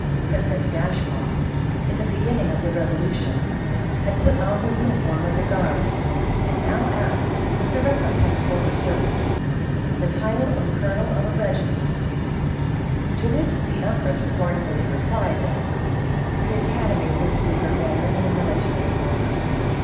Princess Dashkoff, in the beginning of the revolution, had put on the uniform of the guards, and now asked, as a recompense fur her • services, the title of colonel of a regiment ; to this the empress scornfully replied that " the academy would suit her better than a military corps."